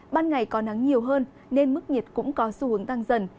ban ngày có nắng nhiều hơn nên mức nhiệt cũng có xu hướng tăng dần